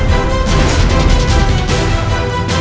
semaya soviet ini sering terjadi